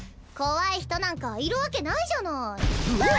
怖い人なんかいるわけないじゃない。